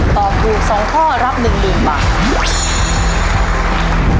ตอบถูก๒ข้อรับ๑๐๐๐บาท